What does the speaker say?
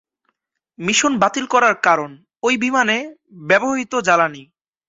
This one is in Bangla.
মিশন বাতিল করার কারণ, ওই বিমানে ব্যবহূত জ্বালানি।